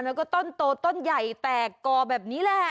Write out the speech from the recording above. แล้วก็ต้นโตต้นใหญ่แตกกอแบบนี้แหละ